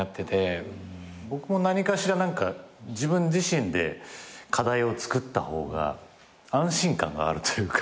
僕も何かしら自分自身で課題を作った方が安心感があるというか。